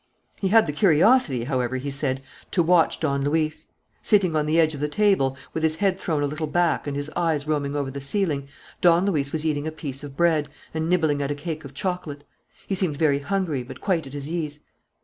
He had the curiosity, however, he said, to watch Don Luis. Sitting on the edge of the table, with his head thrown a little back and his eyes roaming over the ceiling, Don Luis was eating a piece of bread and nibbling at a cake of chocolate. He seemed very hungry, but quite at his ease.